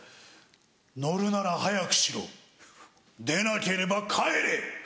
「乗るなら早くしろでなければ帰れ！」。